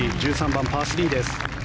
１３番、パー３です。